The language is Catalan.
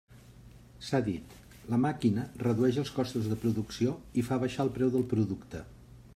S'ha dit: la màquina redueix els costos de producció, i fa baixar el preu del producte.